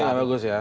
itu yang bagus ya